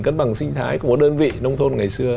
cái bằng sinh thái của một đơn vị nông thôn ngày xưa